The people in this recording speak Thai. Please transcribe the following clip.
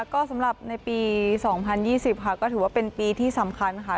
ก็สำหรับในปี๒๐๒๐ค่ะก็ถือว่าเป็นปีที่สำคัญค่ะ